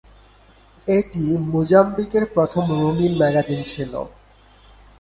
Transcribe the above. এটি মোজাম্বিকের প্রথম রঙিন ম্যাগাজিন ছিল।